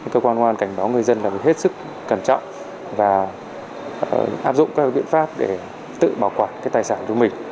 cơ quan công an cảnh báo người dân là phải hết sức cẩn trọng và áp dụng các biện pháp để tự bảo quản tài sản của mình